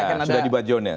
sudah dibajon ya